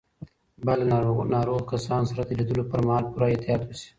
باید له ناروغو کسانو سره د لیدو پر مهال پوره احتیاط وشي.